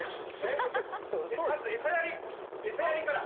まず餌やり餌やりから。